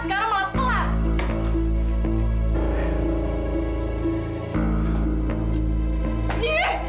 sekarang malah telat